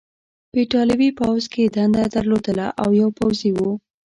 په ایټالوي پوځ کې یې دنده درلودله او یو پوځي و.